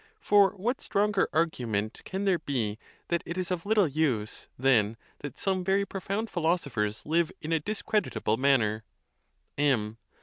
For what stronger argument can there be that it is of little use than that some very profound philosophers live in a discredita ble manner? M.